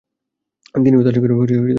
তিনি ও তার সঙ্গীরা প্রানে রক্ষা পান।